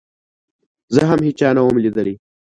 زه هم هېچا نه وم ليدلى.